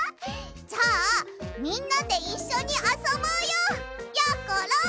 じゃあみんなでいっしょにあそぼうよやころ！